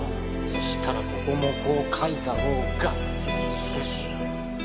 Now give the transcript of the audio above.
そしたらここもこう描いたほうが美しいよ。